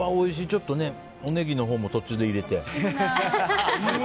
ちょっと、おネギのほうも途中で入れて。